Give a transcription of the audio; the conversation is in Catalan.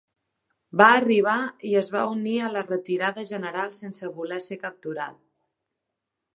Va arribar i es va unir a la retirada general sense voler ser capturat.